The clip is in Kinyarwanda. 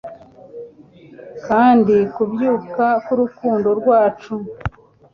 Kandi kubyuka k'urukundo rwacu